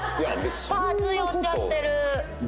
パーツ寄っちゃってる。